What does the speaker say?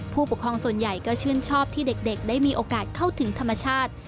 ผู้ปกครองส่วนใหญ่ก็ชื่นชอบที่เด็กได้มีโอกาสเข้าถึงธรรมชาติ